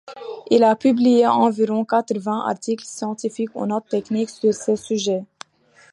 Il a publié environ quatre-vingt articles scientifiques ou notes techniques sur ces sujets.